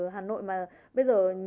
bán mắc lắm